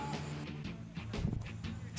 selain itu klub liga dua lainnya